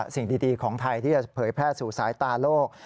สิ่งดีของไทยที่จะเผยแพร่สู่สายตาโลก